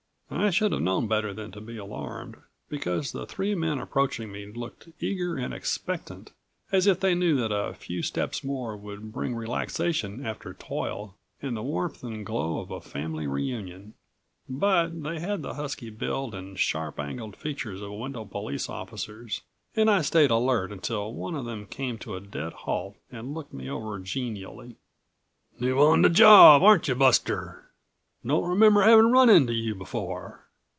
I should have known better than to be alarmed, because the three men approaching me looked eager and expectant, as if they knew that a few steps more would bring relaxation after toil and the warmth and glow of a family reunion. But they had the husky build and sharp angled features of Wendel police officers and I stayed alert until one of them came to a dead halt and looked me over genially. "New on the job, aren't you, Buster? Don't remember having run into you before.